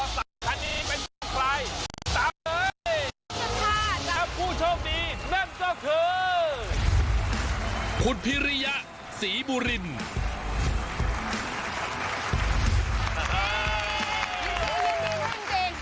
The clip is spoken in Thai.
สงเลยโง่อีกโง่อีกโง่อีก